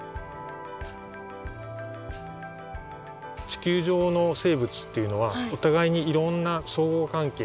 地球上の生物っていうのはお互いにいろんな相互関係っていうんですかね